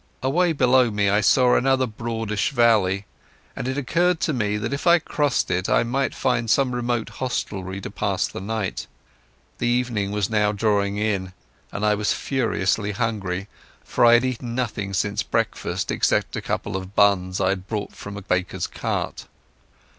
Away below me I saw another broadish valley, and it occurred to me that if I crossed it I might find some remote inn to pass the night. The evening was now drawing in, and I was furiously hungry, for I had eaten nothing since breakfast except a couple of buns I had bought from a baker's cart.